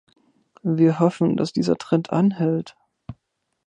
Wir hoffen, dass dieser Trend anhält.